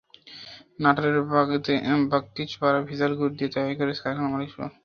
নাটোরের বাগাতিপাড়ায় ভেজাল গুড় তৈরির দায়ে কারখানার মালিকসহ চারজনকে কারাদণ্ড দিয়েছেন ভ্রাম্যমাণ আদালত।